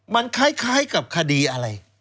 มันคล้ายกับคดีอะไร